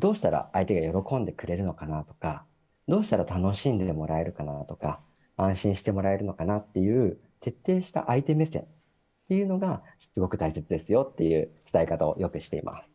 どうしたら相手が喜んでくれるのかとかどうしたら楽しんでもらえるかなとか安心してもらえるのかなという徹底した相手目線がすごく大切ですよという伝え方をよくしています。